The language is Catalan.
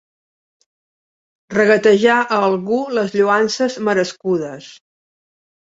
Regatejar a algú les lloances merescudes.